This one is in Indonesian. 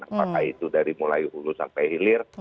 apakah itu dari mulai hulu sampai hilir